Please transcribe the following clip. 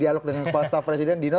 dialog dengan kepala staf presiden dino